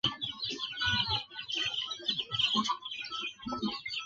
不等壳毛蚶是魁蛤目魁蛤科毛蚶属的一种。